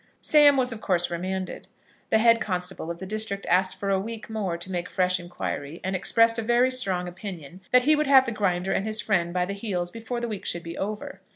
Sam was of course remanded. The head constable of the district asked for a week more to make fresh inquiry, and expressed a very strong opinion that he would have the Grinder and his friend by the heels before the week should be over.